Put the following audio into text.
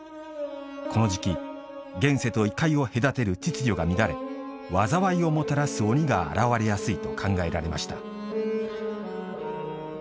この時期現世と異界を隔てる秩序が乱れ禍をもたらす鬼が現れやすいと考えられました。